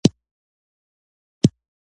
دا سبزی د معدې ستونزې کموي.